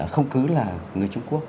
không cứ là người trung quốc